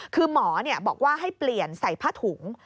คือหมอบอกว่าให้เปลี่ยนใส่ผ้าถุง